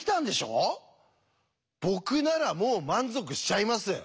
僕ならもう満足しちゃいます。